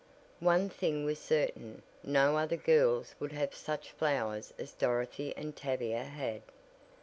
One thing was certain, no other girls would have such flowers as Dorothy and Tavia had.